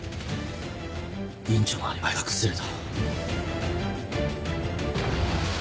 院長のアリバイが崩れた。